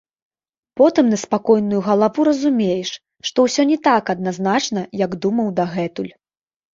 Потым на спакойную галаву разумееш, што ўсё не так адназначна, як думаў дагэтуль.